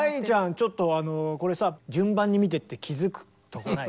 ちょっとこれさ順番に見てって気付くとこない？